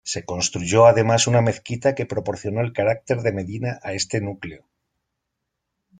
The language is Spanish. Se construyó además una mezquita que proporcionó el carácter de medina a este núcleo.